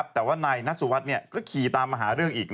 แต่ว่านายนัทสุวัสดิ์ก็ขี่ตามมาหาเรื่องอีก